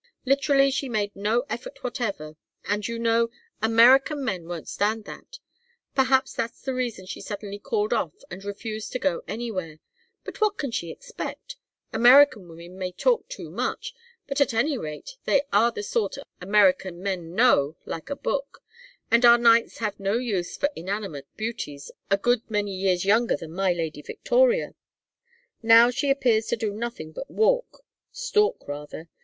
Literally she made no effort whatever, and, you know, American men won't stand that. Perhaps that's the reason she suddenly called off and refused to go anywhere. But what can she expect? American women may talk too much, but at any rate they are the sort American men know like a book, and our knights have no use for inanimate beauties a good many years younger than my Lady Victoria. "Now she appears to do nothing but walk stalk rather.